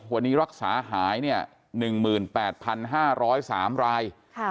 วันนี้รักษาหาย๑๘๕๐๓ราย